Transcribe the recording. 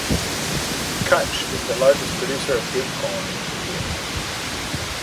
Kutch is the largest producer of date palm in India.